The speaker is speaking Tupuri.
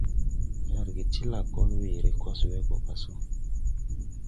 Ferge ti lakol weere kos we go pa so.